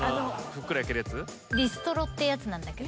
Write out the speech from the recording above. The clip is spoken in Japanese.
ビストロってやつなんだけど。